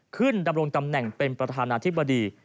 ดำรงตำแหน่งเป็นประธานาธิบดี